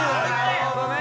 なるほどね！